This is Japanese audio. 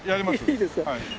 いいですか？